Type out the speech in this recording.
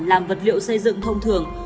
hạn làm vật liệu xây dựng thông thường